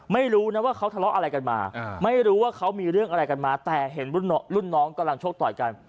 ไม่รู้นะว่าเขาทะเลาะอะไรกันมาไม่รู้ว่าเขามีเรื่องอะไรกันมาแต่เห็นรุ่นน้องกำลังโชคต่อยกัน